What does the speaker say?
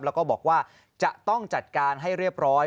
แล้วก็บอกว่าจะต้องจัดการให้เรียบร้อย